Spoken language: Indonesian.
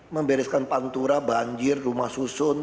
membereskan pantura banjir rumah susun